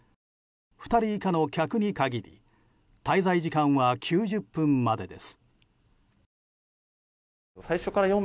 ２人以下の客に限り滞在時間は９０分までです。